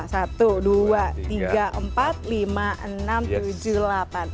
satu dua tiga empat lima enam tujuh delapan